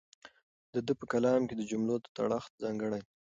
د ده په کلام کې د جملو تړښت ځانګړی دی.